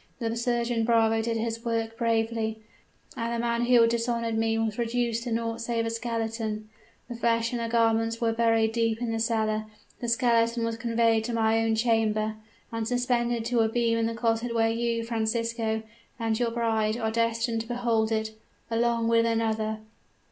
The surgeon bravo did his work bravely; and the man who had dishonored me was reduced to naught save a skeleton! The flesh and the garments were buried deep in the cellar; the skeleton was conveyed to my own chamber, and suspended to a beam in the closet where you, Francisco, and your bride, are destined to behold it ALONG WITH ANOTHER!